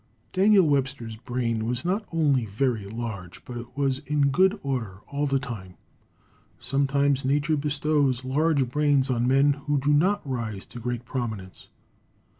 Daniel Webster's brain was not only very large, but it was in good order all the time. Sometimes Nature bestows large brains on men who do not rise to great prominence.